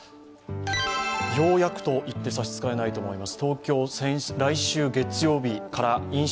ようやくと言って差し支えないと思います。